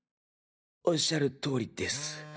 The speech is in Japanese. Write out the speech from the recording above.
おっしゃる通りです。